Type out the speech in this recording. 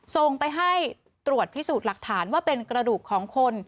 ส่งไปให้ตรวจพิสูจน์หลักฐานว่าเป็นกระดูกของคน